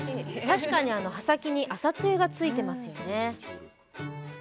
確かに葉先に朝露がついてますよね。